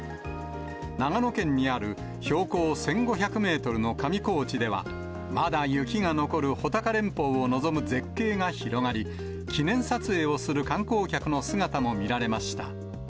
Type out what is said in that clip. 長野県にある、標高１５００メートルの上高地では、まだ雪が残る穂高連峰を望む絶景が広がり、記念撮影をする観光客の姿も見られました。